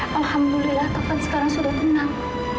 alhamdulillah tuhan sekarang sudah tenang